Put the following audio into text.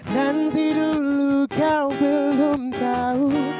nanti dulu kau belum tahu